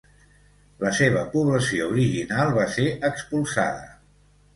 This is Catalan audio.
La seva població original va ser expulsada.